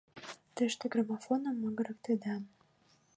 Тыште граммофоным магырыктеда.